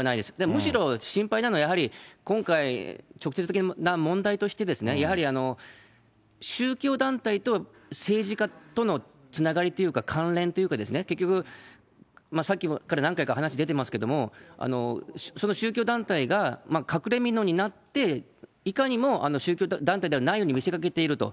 むしろ心配なのは、今回直接的な問題として、やはり宗教団体と政治家とのつながりっていうか、関連というかですね、結局、さっきから何回か話出てますけれども、その宗教団体が隠れみのになって、いかにも宗教団体ではないように見せかけていると。